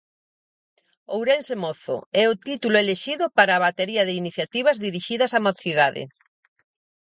'Ourense mozo' é o título elixido para a batería de iniciativas dirixidas á mocidade.